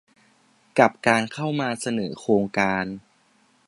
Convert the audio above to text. กับการเข้ามาเสนอโครงการ